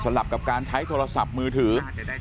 สำหรับกับการใช้โทรศัพท์มือถือ